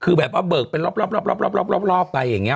คือแบบว่าเบิกเป็นรอบไปอย่างนี้